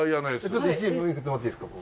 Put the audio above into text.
ちょっと捲ってもらってもいいですか？